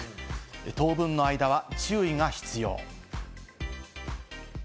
当分の間は注意が必要。